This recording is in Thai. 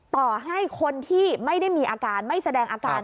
ต่อให้คนที่ไม่ได้มีอาการไม่แสดงอาการ